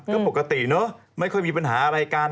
ก็ปกติเนอะไม่ค่อยมีปัญหาอะไรกัน